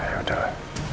ya udah lah